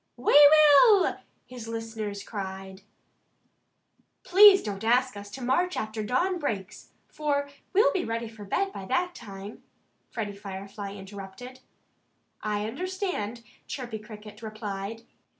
"We will!" his listeners cried. "Please don't ask us to march after dawn breaks, for we'll be ready for bed by that time," Freddie Firefly interrupted. "I understand," Chirpy Cricket replied.